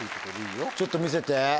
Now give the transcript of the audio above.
ちょっと見せて。